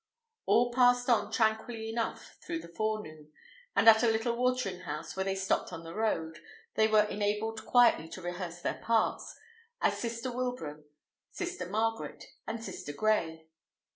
All passed on tranquilly enough during the forenoon; and at a little watering house, where they stopped on the road, they were enabled quietly to rehearse their parts, as Sister Wilbraham, Sister Margaret, and Sister Grey.